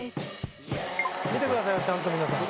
「見てくださいよちゃんと皆さん」